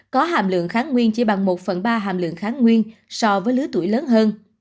có hàm lượng kháng nguyên chỉ bằng một phần ba hàm lượng kháng nguyên so với lứa tuổi lớn hơn